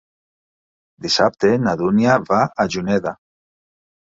Dissabte na Dúnia va a Juneda.